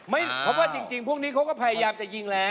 เพราะว่าจริงพวกนี้เขาก็พยายามจะยิงแล้ว